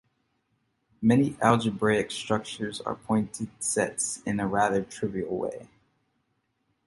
Many algebraic structures are pointed sets in a rather trivial way.